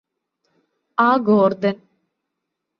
ആ ഗോര്ദന്